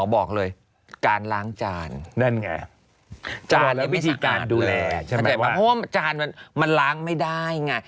เพราะว่าจานมันล้างไม่ได้ไง